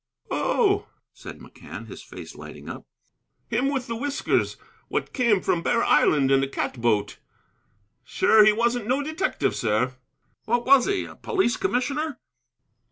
"Oh!" said McCann, his face lighting up, "him with the whiskers, what came from Bear Island in a cat boat. Sure, he wasn't no detective, sir." "What was he? A police commissioner?"